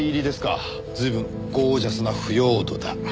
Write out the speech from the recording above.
随分ゴージャスな腐葉土だ。